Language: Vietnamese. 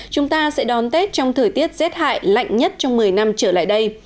chúng ta sẽ đón tết trong thời tiết rét hại lạnh nhất trong một mươi năm trở lại đây